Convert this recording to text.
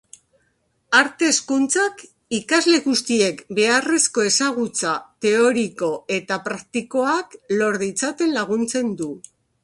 Arte hezkuntzak ikasle guztiek beharrezko ezagutza teoriko eta praktikoak lor ditzaten laguntzen du.